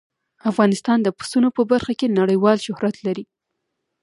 افغانستان د پسونو په برخه کې نړیوال شهرت لري.